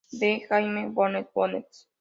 D. Jaime Bonet Bonet.